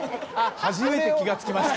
初めて気がつきました。